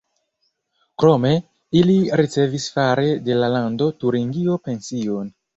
Krome ili ricevis fare de la Lando Turingio pension.